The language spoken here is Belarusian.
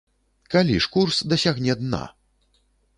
Калі ж курс дасягне дна?